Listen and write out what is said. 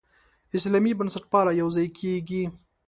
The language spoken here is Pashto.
اسلامي بنسټپالنه یوځای کېږي.